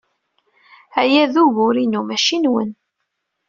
Aya d ugur-inu, maci nwen.